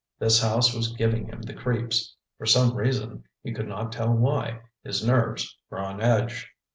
This house was giving him the creeps. For some reason, he could not tell why, his nerves were on edge.